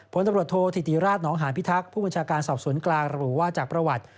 ผลตำรวจโทษธิติราชนองหานพิทักษ์ผู้บัญชาการสอบสวนกลางระบุว่าจากประวัติ